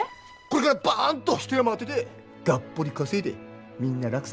これからバンと一山当ててがっぽり稼いでみんな楽させてやるから。